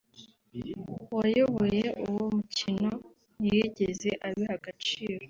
wayoboye uwo mukino ntiyigeze abiha agaciro